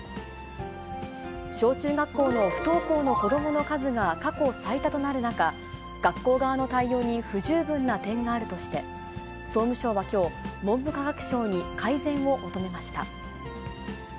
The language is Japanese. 小中学校の不登校の子どもの数が過去最多となる中、学校側の対応に不十分な点があるとして、総務省はきょう、文部科学省に改善を求めました。